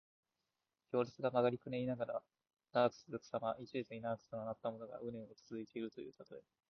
行列が曲がりくねりながら長く続くさま。一列に長く連なったものが、うねうねと続いているというたとえ。